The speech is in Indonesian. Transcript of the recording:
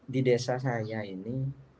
di desa saya ini